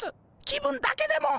気分だけでも。